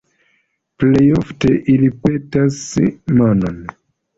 Plej ofte ili petas monon.